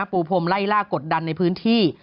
ปูพรมไล่ล่ากดดันในพื้นที่